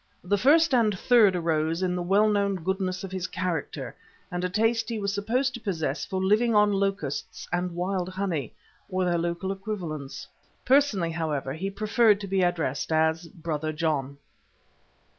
The first and third arose in the well known goodness of his character and a taste he was supposed to possess for living on locusts and wild honey, or their local equivalents. Personally, however, he preferred to be addressed as "Brother John."